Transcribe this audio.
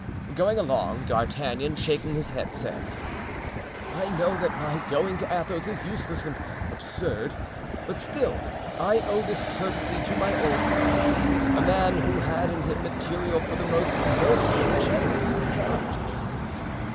Going along, D'Artagnan, shaking his head, said: "I know that my going to Athos is useless and absurd; but still I owe this courtesy to my old friend, a man who had in him material for the most noble and generous of characters."